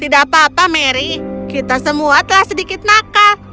tidak apa apa mary kita semua telah sedikit nakal